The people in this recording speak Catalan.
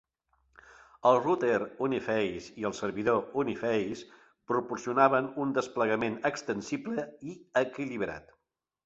El router Uniface i el servidor Uniface proporcionaven un desplegament extensible i equilibrat.